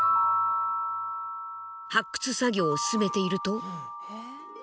発掘作業を進めていると。